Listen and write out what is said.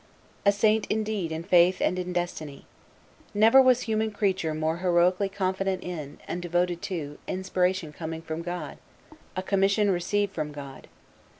A saint indeed in faith and in destiny. Never was human creature more heroically confident in, and devoted to, inspiration coming from God, a commission received from God.